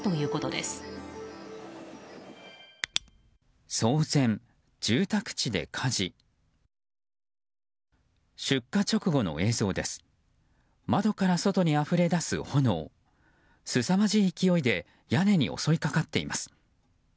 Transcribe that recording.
すさまじい勢いで屋根に襲いかかっています。